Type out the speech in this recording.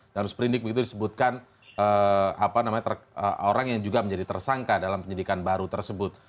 dalam seperindik begitu disebutkan orang yang juga menjadi tersangka dalam penyidikan baru tersebut